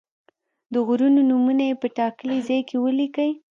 د غرونو نومونه یې په ټاکلي ځای کې ولیکئ.